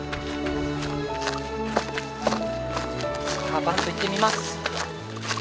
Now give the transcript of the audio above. アヴァント行ってみます。